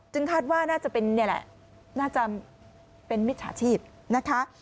จึงคาดว่าน่าจะเป็นมิตรฐาชีพนะคะ